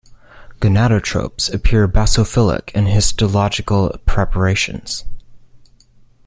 Gonadotropes appear basophilic in histological preparations.